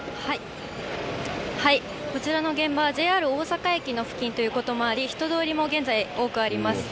こちらの現場はＪＲ大阪駅の付近ということもあり、人通りも現在、多くあります。